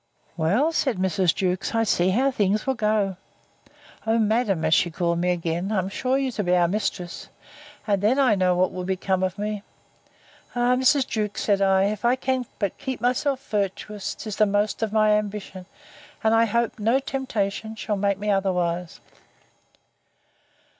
Well, said Mrs. Jewkes, I see how things will go. O, madam, as she called me again, I am sure you are to be our mistress! And then I know what will become of me. Ah Mrs. Jewkes, said I, if I can but keep myself virtuous, 'tis the most of my ambition; and I hope, no temptation shall make me otherwise.